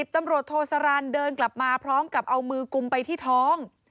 ตำรวจโทสารันเดินกลับมาพร้อมกับเอามือกุมไปที่ท้อง